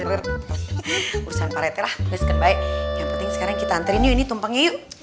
urusan parete lah besken baik yang penting sekarang kita anterin yuk ini tumpangnya yuk